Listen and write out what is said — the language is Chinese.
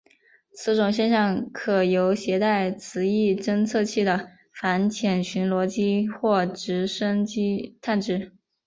此种现象可由携带磁异侦测器的反潜巡逻机或直升机探知。